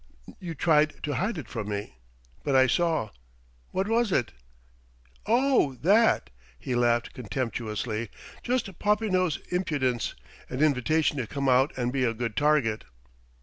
You tried to hide it from me, but I saw.... What was it?" "Oh that!" he laughed contemptuously: "just Popinot's impudence an invitation to come out and be a good target."